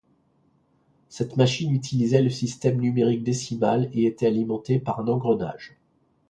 Cette machine utilisait le système numérique décimal et était alimentée par un engrenage.